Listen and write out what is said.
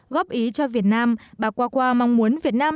góp ý cho việt nam bà qua mong muốn việt nam